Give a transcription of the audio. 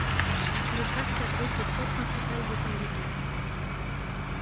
Le parc abrite les trois principales étendues d'eau.